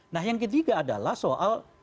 nah yang ketiga adalah soal